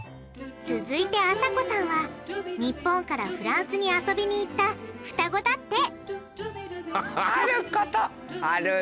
続いてあさこさんは日本からフランスに遊びに行った双子だって！